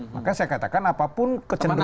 maka saya katakan apapun kecenderungan